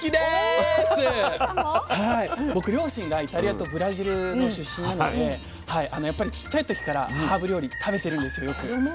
僕両親がイタリアとブラジルの出身なのでやっぱりちっちゃい時からハーブ料理食べてるんですよよく。